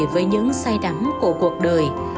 với những say đắm của cuộc đời